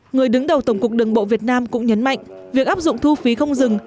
người đứng đầu tổng cục đường bộ việt nam cũng nhấn mạnh việc áp dụng thu phí không dừng